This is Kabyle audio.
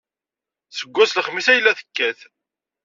Seg wass n lexmis ay la tekkat.